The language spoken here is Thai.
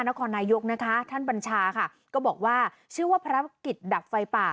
นครนายกนะคะท่านบัญชาค่ะก็บอกว่าชื่อว่าภารกิจดับไฟป่า